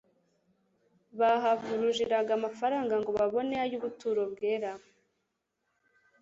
Bahavurujiraga amafaranga ngo babone ay'ubuturo bwera.